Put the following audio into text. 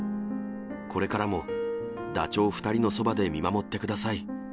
これからもダチョウ２人のそばで見守ってください。